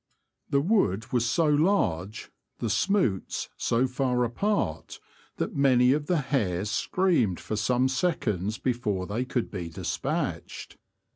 The wood was so large, the smoots so far apart, that many of the hares screamed for some seconds before they could be dispatched.